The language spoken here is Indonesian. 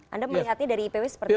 anda melihatnya dari ipw seperti apa